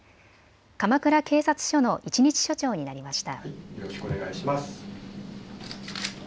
鎌倉警察署の一日署長になりました。